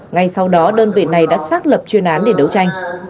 ngay sau đó đơn vị này đã xác lập chuyên án để đấu tranh